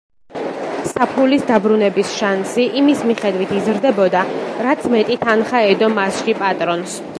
საფულის დაბრუნების შანსი იმის მიხედვით იზრდებოდა, რაც მეტი თანხა ედო მასში „პატრონს“.